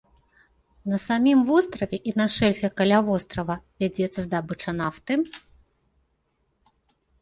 На самім востраве і на шэльфе каля вострава вядзецца здабыча нафты.